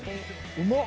うまっ！